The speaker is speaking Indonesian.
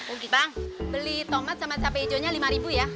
ugi bang beli tomat sama cabai hijaunya rp lima ya